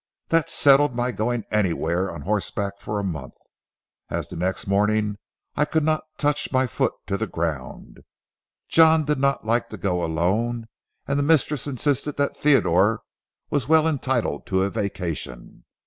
That settled my going anywhere on horseback for a month, as the next morning I could not touch my foot to the ground. John did not like to go alone, and the mistress insisted that Theodore was well entitled to a vacation.